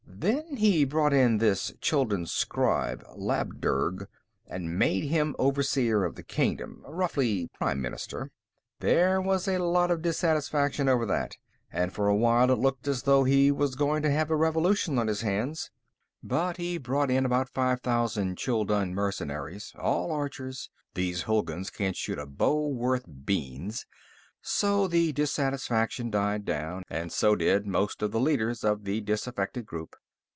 Then he brought in this Chuldun scribe, Labdurg, and made him Overseer of the Kingdom roughly, prime minister. There was a lot of dissatisfaction about that, and for a while it looked as though he was going to have a revolution on his hands, but he brought in about five thousand Chuldun mercenaries, all archers these Hulguns can't shoot a bow worth beans so the dissatisfaction died down, and so did most of the leaders of the disaffected group.